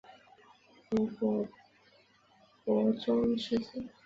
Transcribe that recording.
晋国伯宗之子。